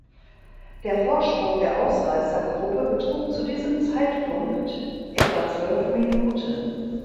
Der Vorsprung der Ausreißergruppe betrug zu diesem Zeitpunkt etwa zwölf Minuten.